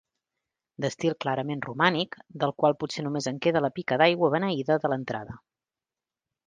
D'estil clarament romànic, del qual potser només queda la pica d'aigua beneïda de l'entrada.